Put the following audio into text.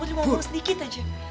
putri ngomong sedikit aja